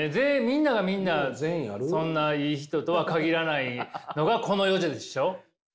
みんながみんなそんないい人とは限らないのがこの世でしょ？